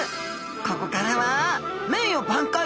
ここからは名誉挽回！